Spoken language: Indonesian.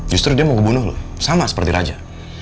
justru dia mau ngebunuh lo sama seperti raja